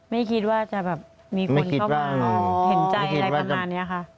ไม่คิดว่าจะแบบมีคนเข้ามาเห็นใจอะไรประมาณนี้ค่ะ